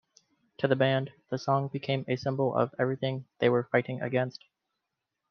To the band, the song became a symbol of everything they were fighting against.